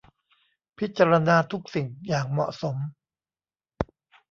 พิจารณาทุกสิ่งอย่างเหมาะสม